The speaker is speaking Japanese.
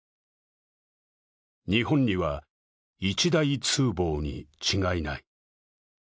日本には一大痛棒に違いない。